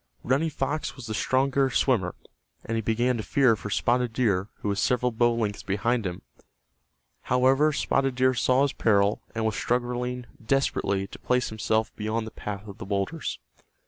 Running Fox was the stronger swimmer, and he began to fear for Spotted Deer who was several bow lengths behind him. However, Spotted Deer saw his peril, and was struggling desperately to place himself beyond the path of the boulders.